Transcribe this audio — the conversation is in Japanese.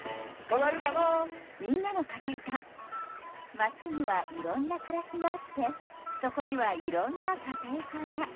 街にはいろんなくらしがあってそこにはいろんなカテイカが。